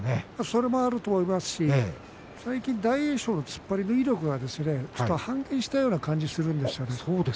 それもあると思いますが最近、大栄翔の突っ張りの威力が半減したような感じがするんですよね。